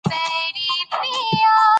مالي سکتور د تحول په حال کې دی.